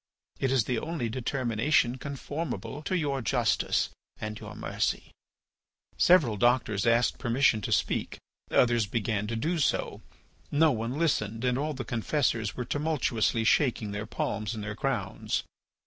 It is the only determination conformable to your justice and your mercy.'" Several doctors asked permission to speak, others began to do so. No one listened, and all the confessors were tumultuously shaking their palms and their crowns.